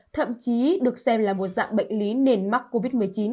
thậm chí được xem là một dạng bệnh lý nền mắc covid một mươi chín